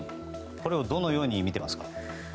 これをどのように見ていますか。